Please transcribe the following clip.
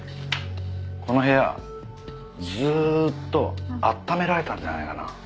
この部屋ずーっと暖められたんじゃないかな。